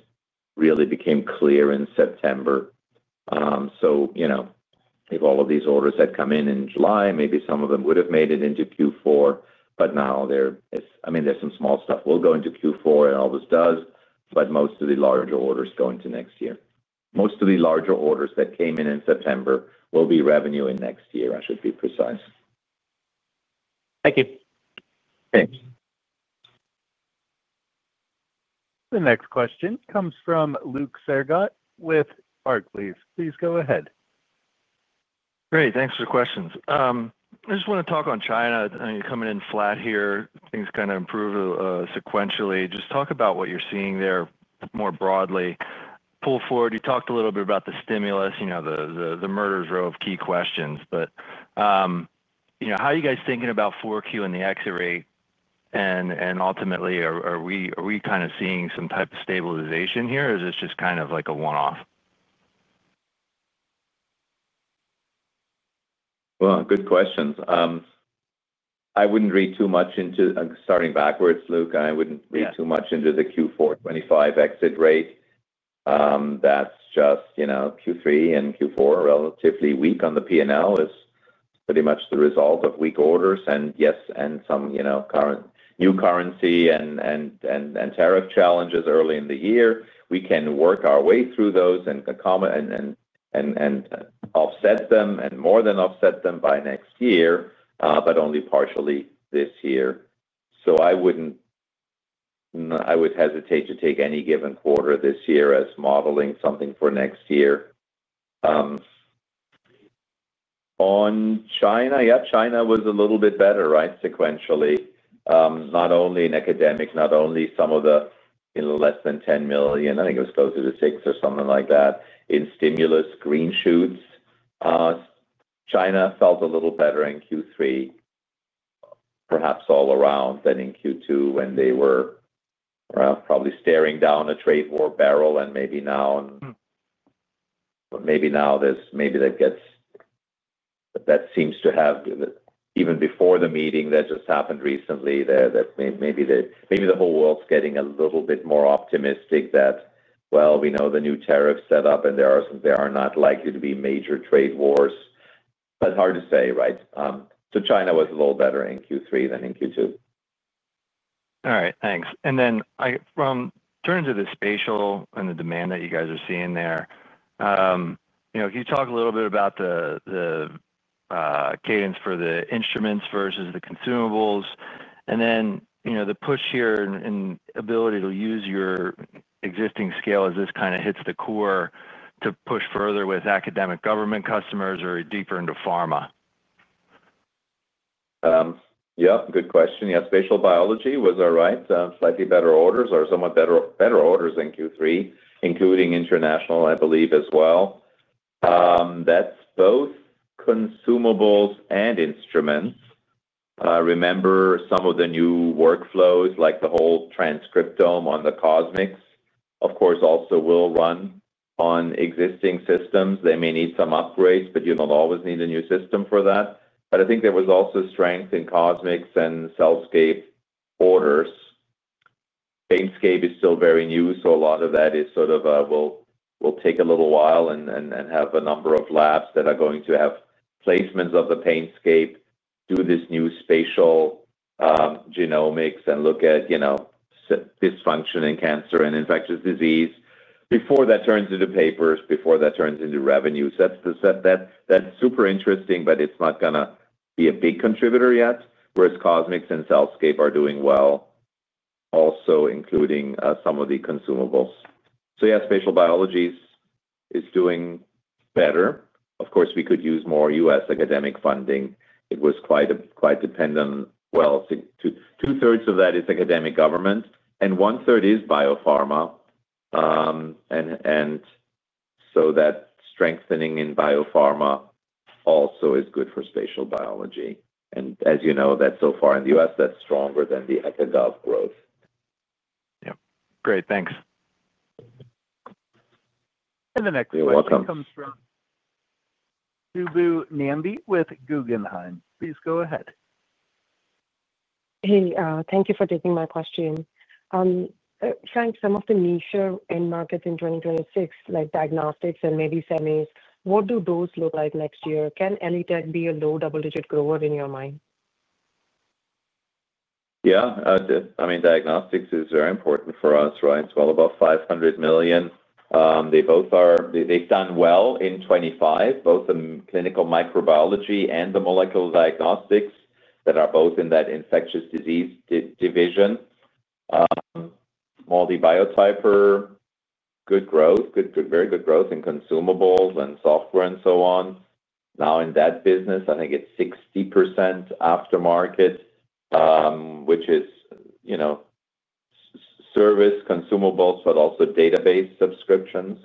really became clear in September. If all of these orders had come in in July, maybe some of them would have made it into Q4, but now—I mean, there is some small stuff that will go into Q4 and all this does, but most of the larger orders go into next year. Most of the larger orders that came in in September will be revenue in next year, I should be precise. Thank you. Thanks. The next question comes from Luke Sergott with Barclays. Please go ahead. Great. Thanks for the questions. I just want to talk on China. Coming in flat here. Things kind of improved sequentially. Just talk about what you're seeing there more broadly. Pull forward. You talked a little bit about the stimulus, the murder's row of key questions, but. How are you guys thinking about 4Q and the exit rate? And ultimately, are we kind of seeing some type of stabilization here, or is this just kind of like a one-off? Good questions. I wouldn't read too much into starting backwards, Luke. I wouldn't read too much into the Q4 2025 exit rate. That's just Q3 and Q4 relatively weak on the P&L. Is pretty much the result of weak orders and yes, and some new currency and. Tariff challenges early in the year. We can work our way through those and. Offset them and more than offset them by next year, but only partially this year. I would. Hesitate to take any given quarter this year as modeling something for next year. On China, yeah, China was a little bit better, right, sequentially. Not only in academic, not only some of the. Less than $10 million. I think it was closer to $6 million or something like that in stimulus green shoots. China felt a little better in Q3. Perhaps all around than in Q2 when they were. Probably staring down a trade war barrel. And maybe now. Maybe now that gets. That seems to have, even before the meeting that just happened recently, that maybe the whole world's getting a little bit more optimistic that, well, we know the new tariff setup and there are not likely to be major trade wars. Hard to say, right? So China was a little better in Q3 than in Q2. All right. Thanks. And then turning to the spatial and the demand that you guys are seeing there. Can you talk a little bit about the. Cadence for the instruments versus the consumables? And then the push here in ability to use your existing scale as this kind of hits the core to push further with academic government customers or deeper into pharma? Yep. Good question. Yeah. Spatial Biology was all right. Slightly better orders or somewhat better orders in Q3, including international, I believe, as well. That's both consumables and instruments. Remember some of the new workflows, like the whole transcriptome on the CosMX, of course, also will run on existing systems. They may need some upgrades, but you don't always need a new system for that. I think there was also strength in CosMX and CellScape orders. PaintScape is still very new, so a lot of that is sort of, "We'll take a little while and have a number of labs that are going to have placements of the PaintScape, do this new spatial genomics, and look at dysfunction in cancer and infectious disease before that turns into papers, before that turns into revenues." That's super interesting, but it's not going to be a big contributor yet, whereas CosMX and CellScape are doing well, also including some of the consumables. Spatial Biology is doing better. Of course, we could use more U.S. academic funding. It was quite dependent. Two-thirds of that is academic government, and one-third is biopharma. That strengthening in biopharma also is good for Spatial Biology. As you know, so far in the U.S., that's stronger than the ECOGAV growth. Yep. Great. Thanks. Your welcome The next question comes from Subbu Nambi with Guggenheim. Please go ahead. Hey. Thank you for taking my question. Frank, some of the niche end markets in 2026, like diagnostics and maybe semis, what do those look like next year? Can ELITech be a low double-digit grower in your mind? Yeah. I mean, diagnostics is very important for us, right? About $500 million. They've done well in 2025, both in clinical microbiology and the molecular diagnostics that are both in that infectious disease division. MALDI Biotyper, good growth, very good growth in consumables and software and so on. Now in that business, I think it's 60% aftermarket, which is service, consumables, but also database subscriptions.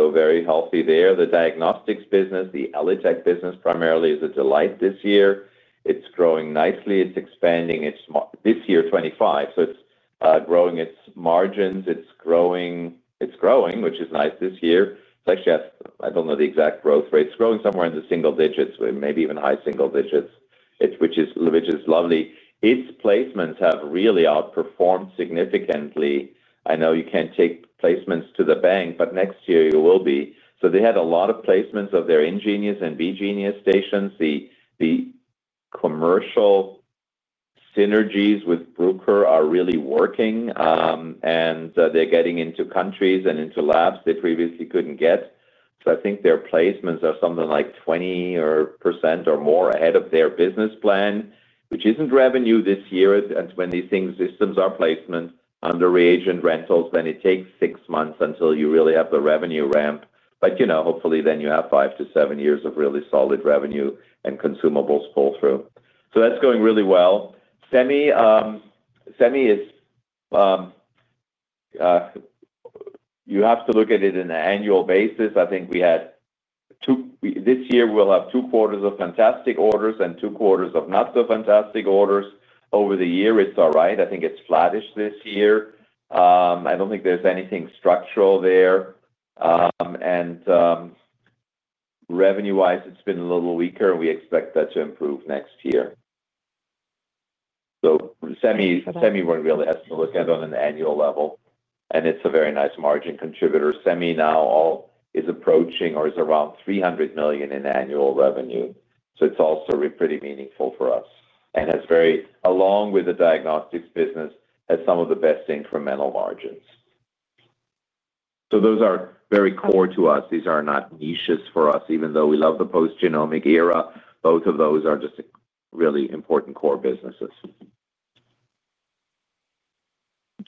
Very healthy there. The diagnostics business, the ELITech business primarily is a delight this year. It's growing nicely. It's expanding this year, 2025. It's growing its margins. It's growing, which is nice this year. It's actually at, I do not know the exact growth rate. It's growing somewhere in the single digits, maybe even high single digits, which is lovely. Its placements have really outperformed significantly. I know you cannot take placements to the bank, but next year you will be. They had a lot of placements of their InGenius and BeGenius stations. The commercial synergies with Bruker are really working, and they're getting into countries and into labs they previously could not get. I think their placements are something like 20% or more ahead of their business plan, which is not revenue this year. When these systems are placement under reagent rentals, then it takes six months until you really have the revenue ramp, but hopefully, then you have five to seven years of really solid revenue and consumables pull through. That's going really well. Semi, you have to look at it on an annual basis. I think we had, this year, two quarters of fantastic orders and two quarters of not-so-fantastic orders. Over the year, it's all right. I think it's flattish this year. I do not think there's anything structural there. Revenue-wise, it's been a little weaker, and we expect that to improve next year. Semi really has to look at it on an annual level. It's a very nice margin contributor. Semi now is approaching or is around $300 million in annual revenue. It's also pretty meaningful for us. Along with the diagnostics business, it has some of the best incremental margins. Those are very core to us. These are not niches for us, even though we love the post-genomic era. Both of those are just really important core businesses.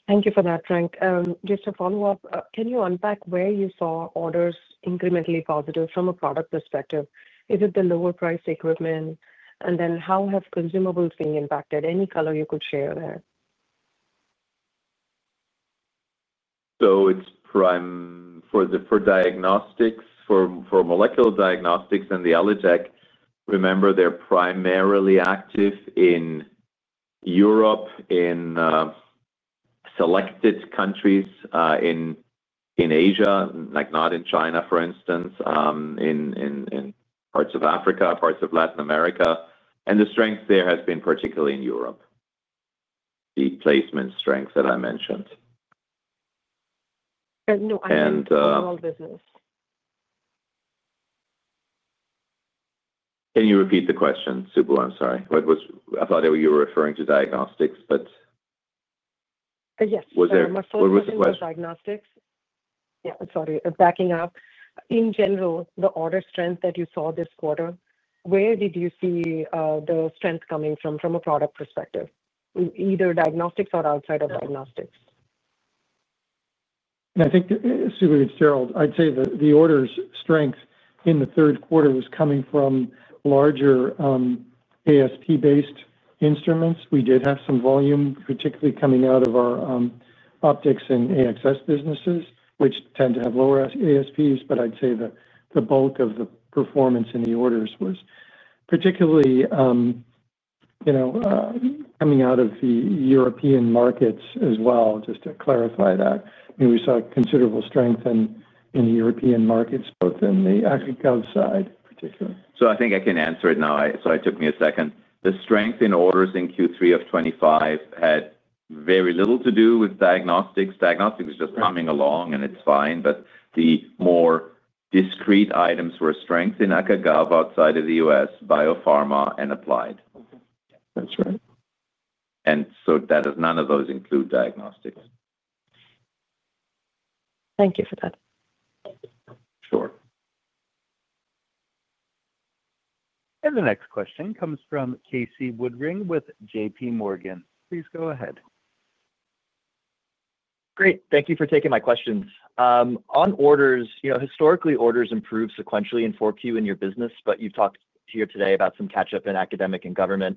Thank you for that, Frank. Just to follow up, can you unpack where you saw orders incrementally positive from a product perspective? Is it the lower-priced equipment? How has consumables been impacted? Any color you could share there? For diagnostics, for molecular diagnostics and the ELITech, remember they're primarily active in Europe, in selected countries in Asia, not in China, for instance, in parts of Africa, parts of Latin America. The strength there has been particularly in Europe, the placement strength that I mentioned. Can you repeat the question, Subbu? I'm sorry. I thought you were referring to diagnostics, but yes. My first question was diagnostics. Yeah. Sorry. Backing up. In general, the order strength that you saw this quarter, where did you see the strength coming from from a product perspective, either diagnostics or outside of diagnostics? I think, Subbu its Gerald, I'd say the orders' strength in the third quarter was coming from larger ASP-based instruments. We did have some volume, particularly coming out of our optics and AXS businesses, which tend to have lower ASPs. I'd say the bulk of the performance in the orders was particularly coming out of the European markets as well, just to clarify that. I mean, we saw considerable strength in the European markets, both in the ECOGAV side, particularly. I think I can answer it now. It took me a second. The strength in orders in Q3 of 2025 had very little to do with diagnostics. Diagnostics was just coming along, and it's fine. The more discrete items were strength in ECOGAV outside of the U.S., biopharma, and applied. That's right. None of those include diagnostics. Thank you for that. Sure. The next question comes from Casey Woodring with JPMorgan. Please go ahead. Great. Thank you for taking my questions. On orders, historically, orders improved sequentially in Q4 in your business, but you've talked here today about some catch-up in academic and government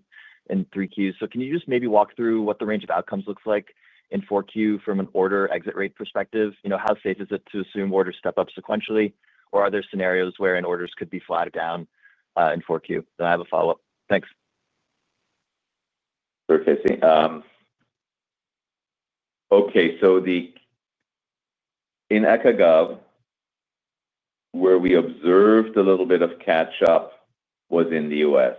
in Q3. Can you just maybe walk through what the range of outcomes looks like in Q4 from an order exit rate perspective? How safe is it to assume orders step up sequentially, or are there scenarios where orders could be flat or down in Q4? I have a follow-up. Thanks. Sure, Casey. Okay. In ACA/GOV, where we observed a little bit of catch-up was in the U.S.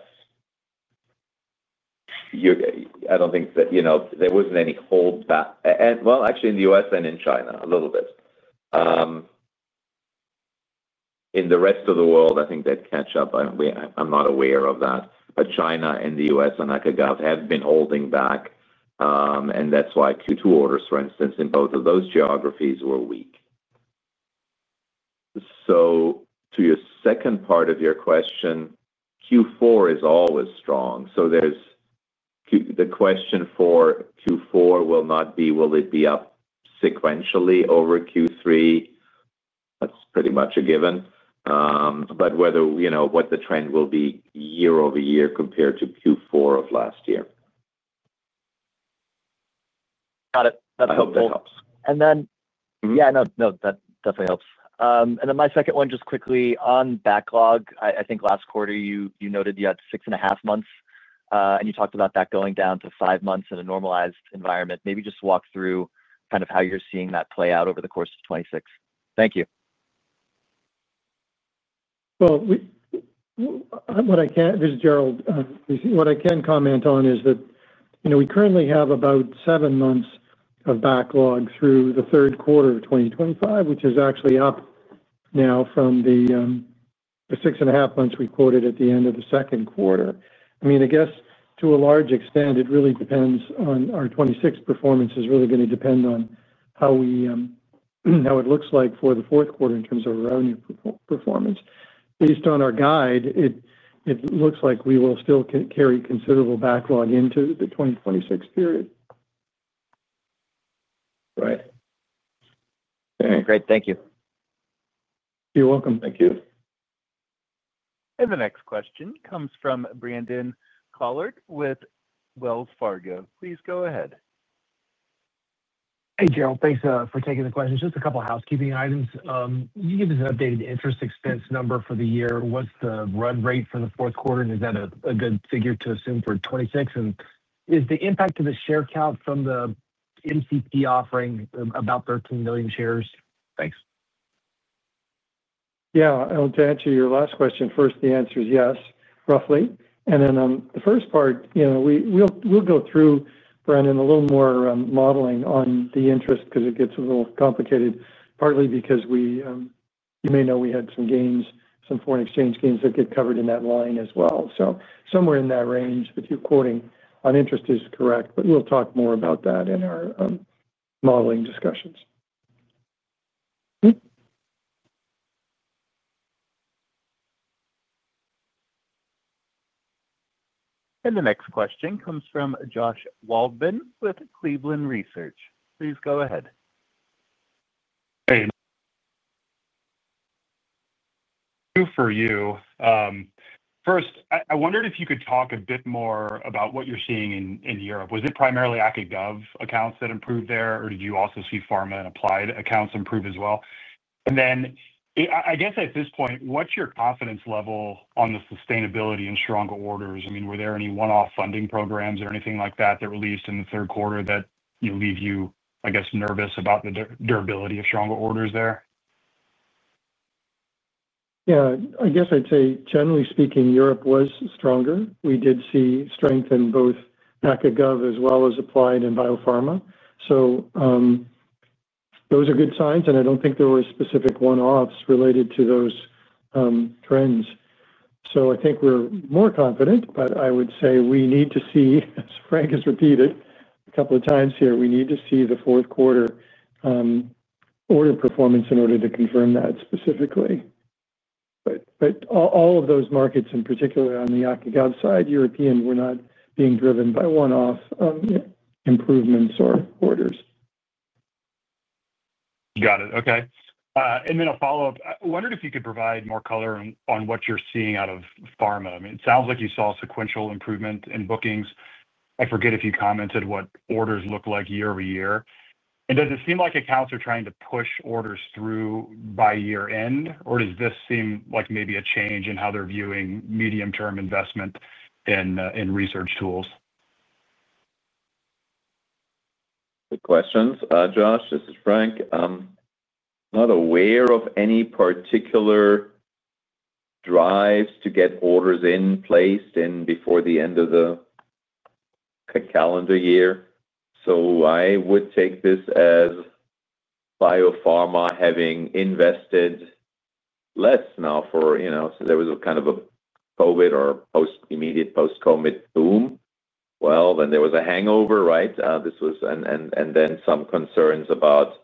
I don't think that there wasn't any holdback. Actually, in the U.S. and in China, a little bit. In the rest of the world, I think that catch-up, I'm not aware of that. China and the U.S. and ACA/GOV have been holding back. That's why Q2 orders, for instance, in both of those geographies were weak. To your second part of your question, Q4 is always strong. The question for Q4 will not be, will it be up sequentially over Q3? That's pretty much a given. Whether what the trend will be year-over-year compared to Q4 of last year. Got it. That definitely helps. No, no, that definitely helps. My second one, just quickly, on backlog, I think last quarter, you noted you had six and a half months, and you talked about that going down to five months in a normalized environment. Maybe just walk through kind of how you're seeing that play out over the course of 2026. Thank you. What I can—this is Gerald. What I can comment on is that we currently have about seven months of backlog through the third quarter of 2025, which is actually up now from the six and a half months we quoted at the end of the second quarter. I mean, I guess to a large extent, it really depends on our 2026 performance is really going to depend on how it looks like for the fourth quarter in terms of our revenue performance. Based on our guide, it looks like we will still carry considerable backlog into the 2026 period. Right. All right. Great. Thank you. You're welcome. Thank you. The next question comes from Brandon Couillard with Wells Fargo. Please go ahead. Hey, Gerald. Thanks for taking the question. Just a couple of housekeeping items. You gave us an updated interest expense number for the year. What's the run rate for the fourth quarter? Is that a good figure to assume for 2026? Is the impact of the share count from the MCP offering about 13 million shares? Thanks. Yeah. To answer your last question first, the answer is yes, roughly. The first part. We'll go through, Brandon, a little more modeling on the interest because it gets a little complicated, partly because you may know we had some gains, some foreign exchange gains that get covered in that line as well. Somewhere in that range, the two quoting on interest is correct, but we'll talk more about that in our modeling discussions. The next question comes from Josh Waldman with Cleveland Research. Please go ahead. Hey. For you. First, I wondered if you could talk a bit more about what you're seeing in Europe. Was it primarily ACA/GOV accounts that improved there, or did you also see pharma and applied accounts improve as well? I guess at this point, what's your confidence level on the sustainability in stronger orders? I mean, were there any one-off funding programs or anything like that that released in the third quarter that leave you, I guess, nervous about the durability of stronger orders there? Yeah. I guess I'd say, generally speaking, Europe was stronger. We did see strength in both ACA/GOV as well as applied and biopharma. Those are good signs, and I don't think there were specific one-offs related to those trends. I think we're more confident, but I would say we need to see, as Frank has repeated a couple of times here, we need to see the fourth quarter order performance in order to confirm that specifically. All of those markets, in particular on the ACA/GOV side, European were not being driven by one-off improvements or orders. Got it. Okay. A follow-up. I wondered if you could provide more color on what you're seeing out of pharma. I mean, it sounds like you saw sequential improvement in bookings. I forget if you commented what orders look like year-over-year. Does it seem like accounts are trying to push orders through by year-end, or does this seem like maybe a change in how they're viewing medium-term investment in research tools? Good questions. Josh, this is Frank. Not aware of any particular drives to get orders in placed before the end of the calendar year. I would take this as biopharma having invested less now for—so there was kind of a COVID or immediate post-COVID boom. There was a hangover, right? Then some concerns about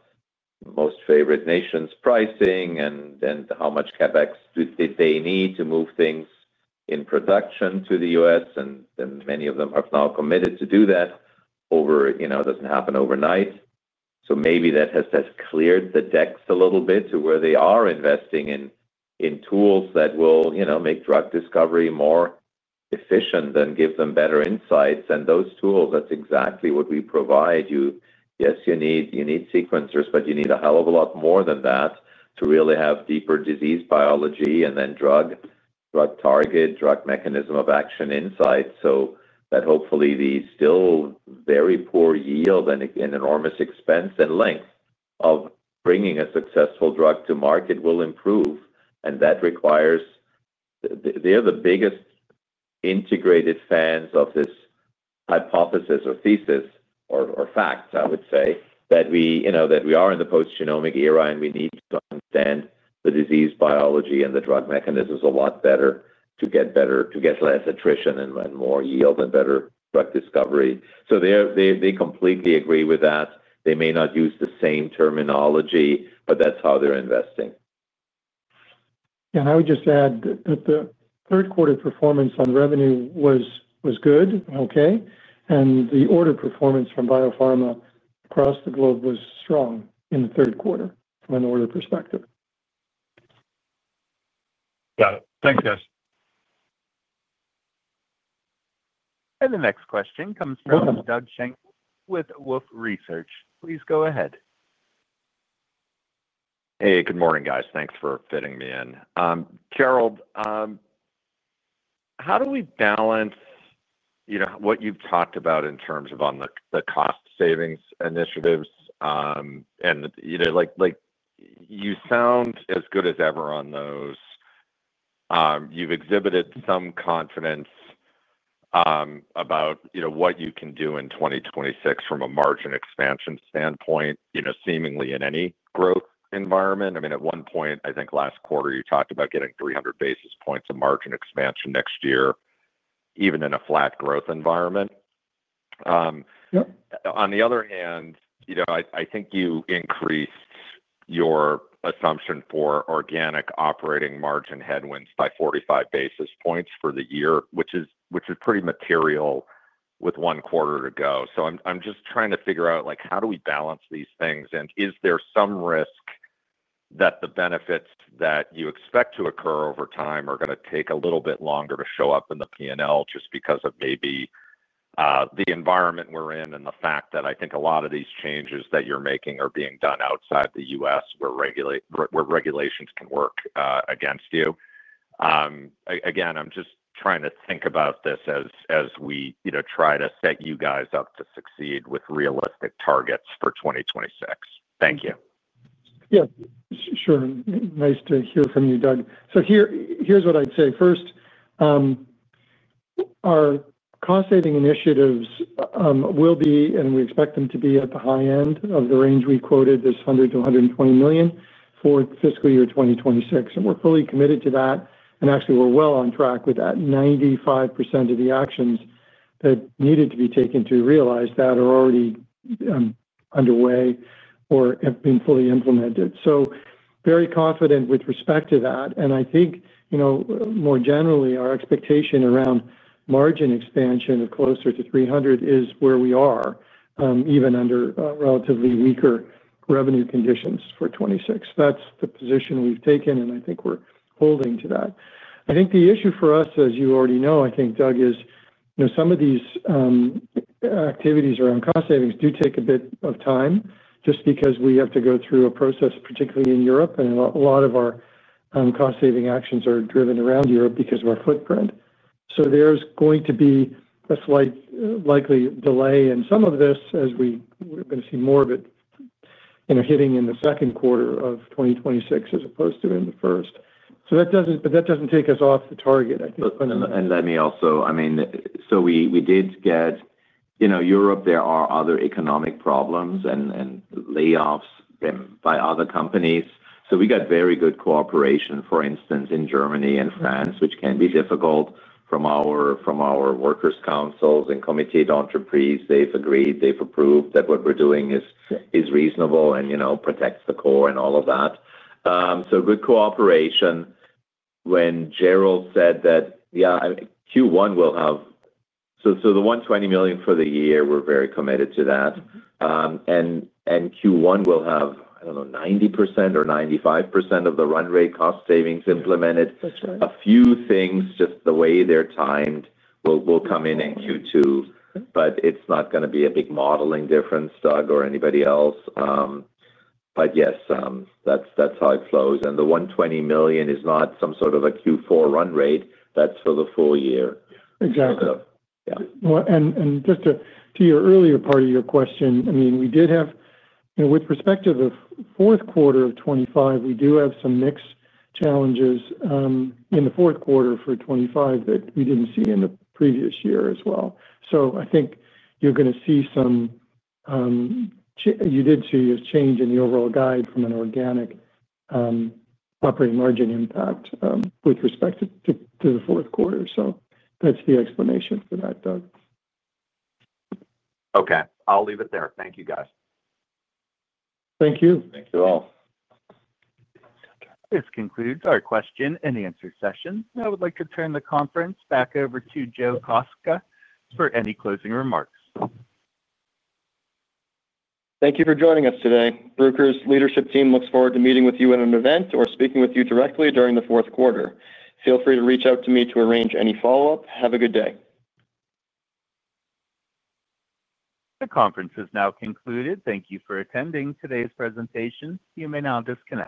most favorite nations' pricing and how much CapEx did they need to move things in production to the US? Many of them have now committed to do that. It doesn't happen overnight. Maybe that has cleared the decks a little bit to where they are investing in tools that will make drug discovery more efficient and give them better insights. Those tools, that's exactly what we provide you. Yes, you need sequencers, but you need a hell of a lot more than that to really have deeper disease biology and then drug target, drug mechanism of action insights. Hopefully the still very poor yield and enormous expense and length of bringing a successful drug to market will improve. That requires—they're the biggest integrated fans of this hypothesis or thesis or fact, I would say, that we are in the post-genomic era and we need to understand the disease biology and the drug mechanisms a lot better to get less attrition and more yield and better drug discovery. They completely agree with that. They may not use the same terminology, but that's how they're investing. I would just add that the third-quarter performance on revenue was good. Okay. The order performance from biopharma across the globe was strong in the third quarter from an order perspective. Got it. Thanks, guys. The next question comes from Doug Schenkel with Wolfe Research. Please go ahead. Hey, good morning, guys. Thanks for fitting me in. Gerald, how do we balance what you've talked about in terms of the cost savings initiatives? You sound as good as ever on those. You've exhibited some confidence about what you can do in 2026 from a margin expansion standpoint, seemingly in any growth environment. I mean, at one point, I think last quarter, you talked about getting 300 basis points of margin expansion next year, even in a flat growth environment. On the other hand, I think you increased your assumption for organic operating margin headwinds by 45 basis points for the year, which is pretty material with one quarter to go. I'm just trying to figure out how do we balance these things? Is there some risk that the benefits that you expect to occur over time are going to take a little bit longer to show up in the P&L just because of maybe the environment we're in and the fact that I think a lot of these changes that you're making are being done outside the U.S. where regulations can work against you? Again, I'm just trying to think about this as we try to set you guys up to succeed with realistic targets for 2026. Thank you. Yeah, sure. Nice to hear from you, Doug. Here's what I'd say. First, our cost-saving initiatives will be, and we expect them to be, at the high end of the range we quoted, this $100 million-$120 million for fiscal year 2026. We're fully committed to that. Actually, we're well on track with that. Ninety-five percent of the actions that needed to be taken to realize that are already underway or have been fully implemented. Very confident with respect to that. I think more generally, our expectation around margin expansion of closer to 300 is where we are, even under relatively weaker revenue conditions for 2026. That's the position we've taken, and I think we're holding to that. I think the issue for us, as you already know, Doug, is some of these activities around cost savings do take a bit of time just because we have to go through a process, particularly in Europe. A lot of our cost-saving actions are driven around Europe because of our footprint. There's going to be a slight likely delay in some of this as we're going to see more of it hitting in the second quarter of 2026 as opposed to in the first. That doesn't take us off the target, I think. Let me also—I mean, we did get Europe, there are other economic problems and layoffs by other companies. We got very good cooperation, for instance, in Germany and France, which can be difficult from our workers' councils and committee d'entreprise. They have agreed. They have approved that what we are doing is reasonable and protects the core and all of that. Good cooperation. When Gerald said that, yeah, Q1 will have—the $120 million for the year, we are very committed to that. Q1 will have, I do not know, 90% or 95% of the run rate cost savings implemented. A few things, just the way they are timed, will come in in Q2. It is not going to be a big modeling difference, Doug, or anybody else. Yes, that is how it flows. The $120 million is not some sort of a Q4 run rate. That is for the full year. Exactly. Yeah. Just to your earlier part of your question, I mean, we did have—with respect to the fourth quarter of 2025, we do have some mixed challenges in the fourth quarter for 2025 that we did not see in the previous year as well. I think you are going to see some—you did see a change in the overall guide from an organic. Operating margin impact with respect to the fourth quarter. That is the explanation for that, Doug. Okay. I will leave it there. Thank you, guys. Thank you. Thank you all. This concludes our question and answer session. I would like to turn the conference back over to Joe Kostka for any closing remarks. Thank you for joining us today. Bruker's leadership team looks forward to meeting with you at an event or speaking with you directly during the fourth quarter. Feel free to reach out to me to arrange any follow-up. Have a good day. The conference has now concluded. Thank you for attending today's presentation. You may now disconnect.